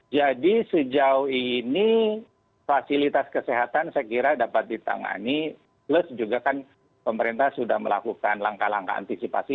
jadi sejauh ini fasilitas kesehatan saya kira dapat ditangani plus juga kan pemerintah sudah melakukan langkah langkah antisipasi